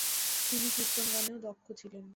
তিনি কীর্তন গানেও দক্ষ ছিলেন।